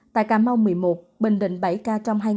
tại cà mau một mươi một bình định bảy ca